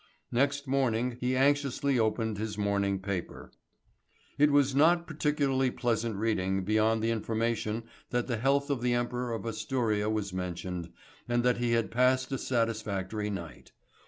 Next morning he anxiously opened his morning paper. It was not particularly pleasant reading beyond the information that the health of the Emperor of Asturia was mentioned, and that he had passed a satisfactory night.